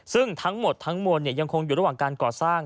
ซึ่งทั้งหมดทั้งมวลยังคงอยู่ระหว่างการก่อสร้าง